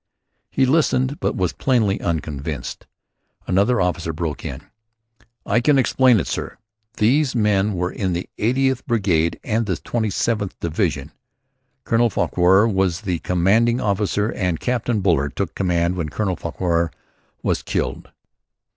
He listened but was plainly unconvinced. Another officer broke in: "I can explain it, sir. These men were in the 80th Brigade and the 27th Division. Colonel Farquhar was their Commanding Officer and Captain Buller took command when Colonel Farquhar was killed."